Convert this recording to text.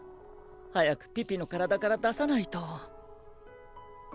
早くピピの体から出さないと。